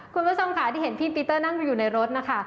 คุณผู้ชมค่ะที่เห็นพี่ปีเตอร์นั่งอยู่ในรถนะคะ